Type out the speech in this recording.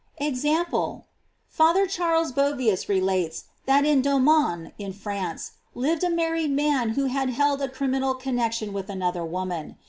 J EXAMPLE. Father Charles Bovius relates that in Doinana, in France, lived a married man who had held a criminal connection with another woman.